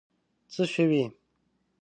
څه شوي؟